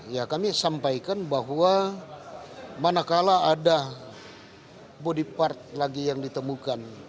ya kami sampaikan bahwa manakala ada body part lagi yang ditemukan